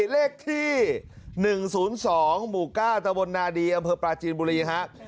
เลขที่๑๐๒หมู่๙ตะวนนาดีอำเภอปลาจีนบุรีฮะ